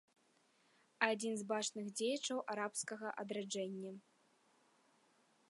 Адзін з бачных дзеячаў арабскага адраджэння.